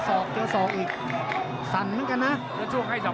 โดนตัวเลยครับยกแรกโดนยกนี่นึง